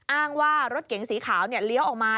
อ้างว่ารถเก๋งสีขาวเลี้ยวออกมา